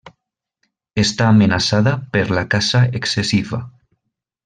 Està amenaçada per la caça excessiva.